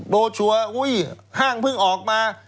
โบวชัวร์ฒ่าห้างพึ่งออกมา